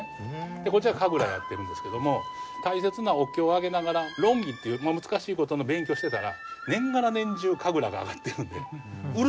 でこちらは神楽をやってるんですけども大切なお経を上げながら論議っていう難しい事の勉強をしてたら年がら年中神楽が上がってるのでうるさいと。